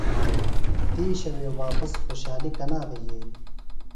دِیشہ وے واپس خُوشحالیۡ کنا بھےۡ یھیلیۡ؟